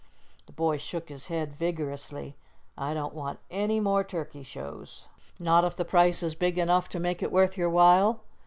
The boy shook his head vigorously. "I don't want any more turkey shows." "Not if the price is big enough to make it worth your while?"